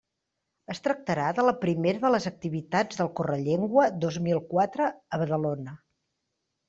Es tractarà de la primera de les activitats del Correllengua dos mil quatre a Badalona.